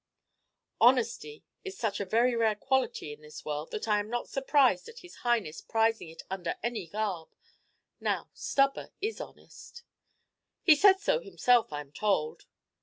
"Honesty is such a very rare quality in this world that I am not surprised at his Highness prizing it under any garb. Now, Stubber is honest." "He says so himself, I am told."